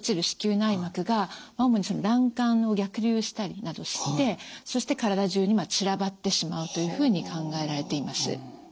子宮内膜が主に卵管を逆流したりなどしてそして体中に散らばってしまうというふうに考えられています。